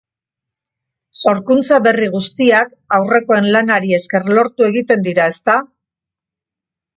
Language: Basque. Sorkuntza berri guztiak aurrekoen lanari esker lortu egiten dira, ezta?